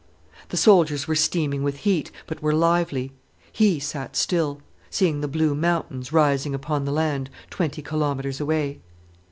The soldiers were steaming with heat, but were lively. He sat still, seeing the blue mountains rising upon the land, twenty kilometres away.